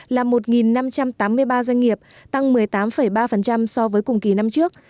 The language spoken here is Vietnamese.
là một năm trăm tám mươi ba doanh nghiệp tăng một mươi tám ba so với cùng kỳ năm trước